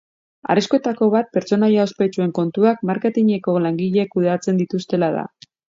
Arriskuetako bat pertsonaia ospetsuen kontuak marketingeko langileek kudeatzen dituztela da.